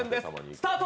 スタート！